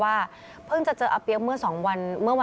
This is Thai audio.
ว่าเพิ่งจะเจออับเปี้ยว